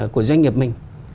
của doanh nghiệp mình